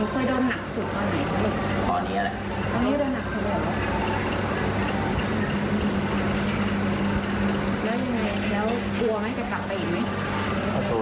คือออกจากโรงพยุนก็จะกลับมามากแล้ว